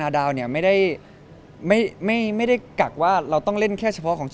๓๕๗๙ถ้าเกิดมีคนจ้างนะครับ